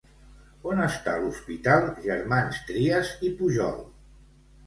On està l'Hospital Germans Trias i Pujol?